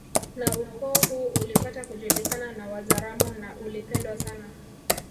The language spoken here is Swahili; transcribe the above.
Na ukoo huu ulipata kujulikana na Wazaramo na ulipendwa sana